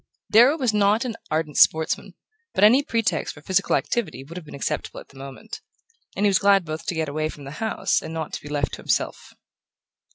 Darrow was not an ardent sportsman, but any pretext for physical activity would have been acceptable at the moment; and he was glad both to get away from the house and not to be left to himself.